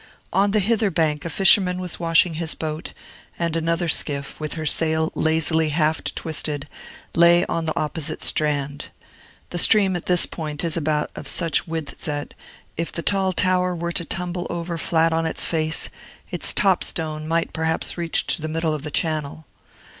On the hither bank a fisherman was washing his boat; and another skiff, with her sail lazily half twisted, lay on the opposite strand. The stream at this point is about of such width, that, if the tall tower were to tumble over flat on its face, its top stone might perhaps reach to the middle of the channel.